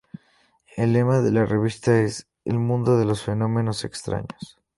El lema de la revista es "El mundo de los fenómenos extraños".